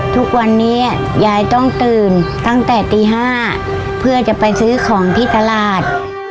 ทุกวันนี้ยายต้องตื่นตั้งแต่ตี๕เพื่อจะไปซื้อของที่ตลาด